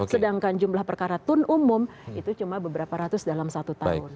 sedangkan jumlah perkara tun umum itu cuma beberapa ratus dalam satu tahun